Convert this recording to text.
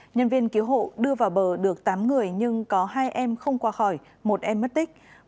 nhân viên cứu hộ đưa vào bờ được tám người nhưng có hai em không qua khỏi một em mất tích